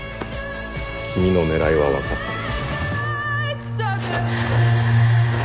君の狙いは分かっている。